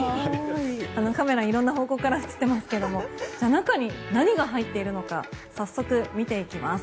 カメラ色んな方向から映っていますが中に何が入っているのか早速、見ていきます。